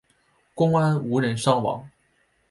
公安无人伤亡。